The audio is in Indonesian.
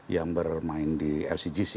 yang bermain di lcgc